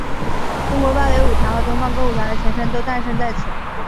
中央芭蕾舞团和东方歌舞团的前身都诞生在此。